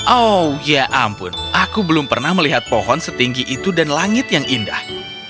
oh ya ampun aku belum pernah melihat pohon setinggi itu dan langit yang indah